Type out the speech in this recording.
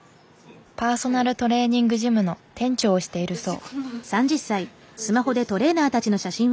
パーソナルトレーニングジムの店長をしているそう。